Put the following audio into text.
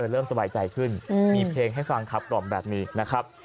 เริ่มสบายใจขึ้นมีเพลงให้ฟังขับกล่อมแบบนี้นะครับ